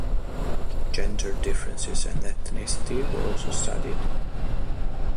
Gender differences and ethnicity were also studied.